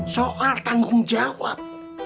soal tanggung jawab